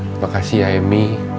terima kasih emi